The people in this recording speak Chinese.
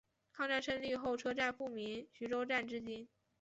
抗战胜利后车站复名徐州站至今。